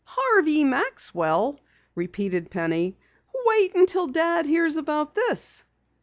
"Harvey Maxwell!" repeated Penny. "Wait until Dad hears about this!"